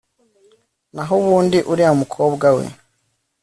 nahubundi uriya mukobwa we